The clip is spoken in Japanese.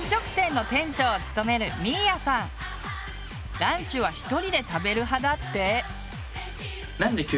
ランチは１人で食べる派だって。